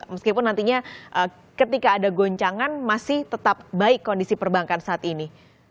meskipun nantinya ketika ada goncangan masih tetap baik kondisi perbankan saat ini